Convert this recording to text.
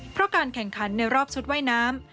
เพราะการแข่งขันในรอบชุดว่ายน้ำ